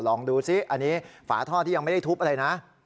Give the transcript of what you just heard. ลองดูซิอันนี้ฝาท่อที่ยังไม่ได้ทุบอะไรนะ